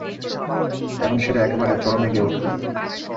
এখন সেটা একেবারে চরমে গিয়ে উঠল।